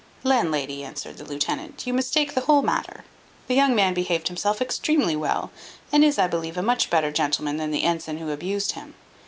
"Landlady," answered the lieutenant, "you mistake the whole matter. The young man behaved himself extremely well, and is, I believe, a much better gentleman than the ensign who abused him.